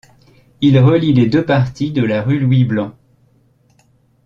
Il relie les deux parties de la rue Louis-Blanc.